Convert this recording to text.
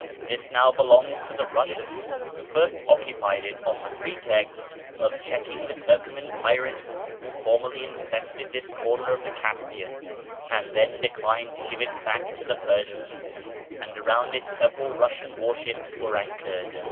This now belongs to the Piussians (who first occupied it on the pretext of checking the Turcoman pirates who formerly infested this corner of the Caspian, and then declined to give it back to the Persians), and around it several Piussian war ships were FROM KIRMAN TO ENGLAND 569 anchored.